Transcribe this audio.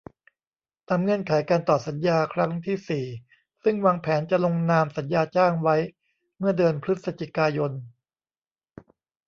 ตามเงื่อนไขการต่อสัญญาครั้งที่ สี่ ซึ่งวางแผนจะลงนามสัญญาจ้างไว้เมื่อเดือนพฤศจิกายน